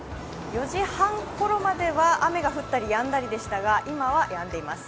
４時半ごろまでは雨が降ったりやんだりでしたが今はやんでいます。